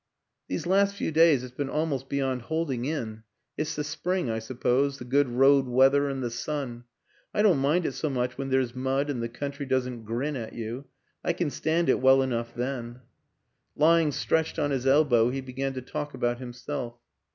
" These last few days it's been al most beyond holding in ; it's the spring, I suppose, the good road weather and the sun. I don't mind it so much when there's mud and the country doesn't grin at you; I can stand it well enough then." Lying stretched on his elbow he began to talk about himself.